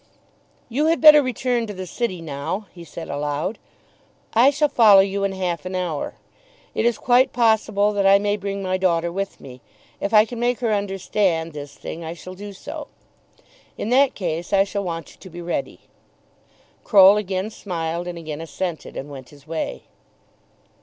"You had better return to the city now," he said aloud. "I shall follow you in half an hour. It is quite possible that I may bring my daughter with me. If I can make her understand this thing I shall do so. In that case I shall want you to be ready." Croll again smiled, and again assented, and went his way.